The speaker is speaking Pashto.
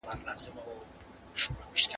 زه به واښه راوړلي وي!